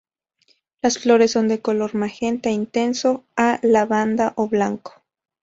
Las flores son de color magenta intenso a lavanda o blanco.